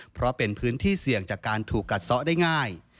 เพราะเป็นพื้นที่เสี่ยงจากการถูกกัดซะได้ง่าย